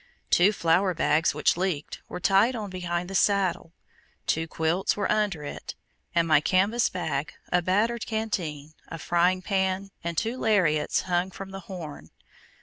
Two flour bags which leaked were tied on behind the saddle, two quilts were under it, and my canvas bag, a battered canteen, a frying pan, and two lariats hung from the horn.